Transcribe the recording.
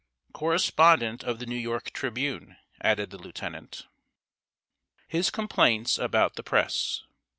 "Correspondent of The New York Tribune," added the lieutenant. [Sidenote: HIS COMPLAINTS ABOUT THE PRESS.